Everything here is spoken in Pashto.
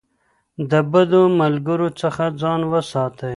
د بدو ملګرو څخه ځان وساتئ.